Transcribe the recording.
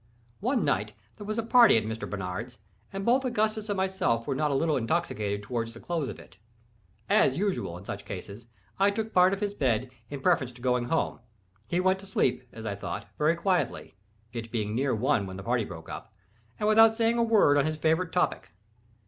One night there was a party at Mr. Barnard's, and both Augustus and myself were not a little intoxicated toward the close of it. As usual, in such cases, I took part of his bed in preference to going home. He went to sleep, as I thought, very quietly (it being near one when the party broke up), and without saying a word on his favorite topic.